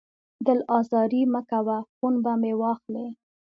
دل ازاري مه کوه، خون به مې واخلې